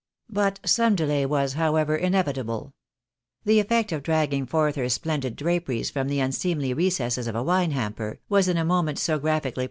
But some delay was, however, inevit able. The effect of dragging forth her splendid draperies from the imseemly recesses of a wine hamper, was in a moment so graphically A SUPERFLUITY OP EEADIXESS.